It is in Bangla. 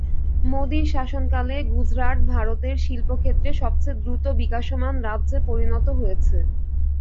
মোদির শাসনকালে গুজরাট ভারতের শিল্প ক্ষেত্রে সবচেয়ে দ্রুত বিকাশমান রাজ্যে পরিণত হয়েছে।